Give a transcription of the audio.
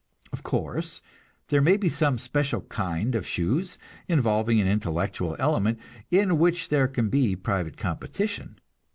Of course, there may be some special kind of shoes, involving an intellectual element, in which there can be private competition.